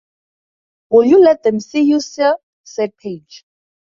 “Will you let them see you, Sire?” said Paige.